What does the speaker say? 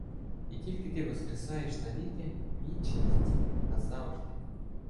І тільки ти воскресаєш навіки! Вічність! Назавжди!